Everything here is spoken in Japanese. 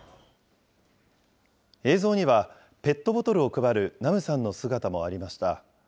映像には、ペットボトルを配るナムさんの姿もありました。